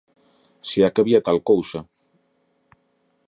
Se é que había tal cousa.